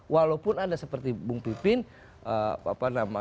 walaupun ada seperti bung pipin